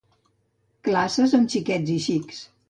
Classes amb xiques i xics.